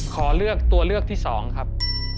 ขอเลือกตัวเลือกที่๒ครับ